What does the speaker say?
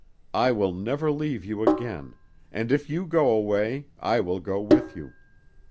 I will never leave you again, and if you go away, I will go with you.